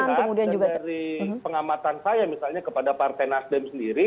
pak jokowi sendiri sangat terlihat dari pengamatan saya misalnya kepada partai nasdem sendiri